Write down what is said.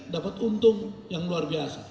dapat untung yang luar biasa